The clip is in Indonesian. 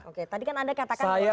oke tadi kan anda katakan